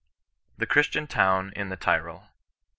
THE CHRISTIAN TOWN IN THE TYROL.